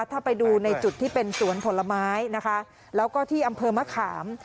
ถ้าไปดูในจุดที่เป็นสวนผลไม้นะคะแล้วก็ที่อำเภอมะขาม